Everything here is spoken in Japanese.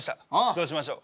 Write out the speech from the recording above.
どうしましょう。